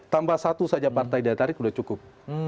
tambah satu saja partai sudah cukup